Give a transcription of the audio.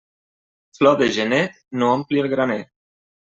Flor de gener no ompli el graner.